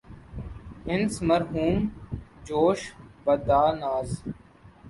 حسن مرہون جوش بادۂ ناز